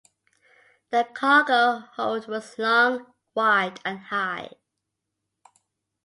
The cargo hold was long, wide and high.